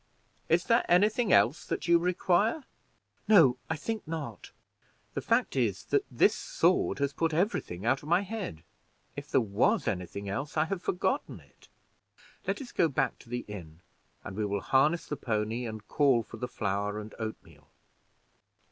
Is there any thing else that you require?" "No, I think not; the fact is, that this sword has put every thing out of my head. If there was anything else, I have forgotten it. Let us go back to the inn, and we will harness the pony, and call for the flour and oatmeal."